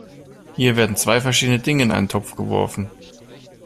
Hier werden zwei verschiedene Dinge in einen Topf geworfen.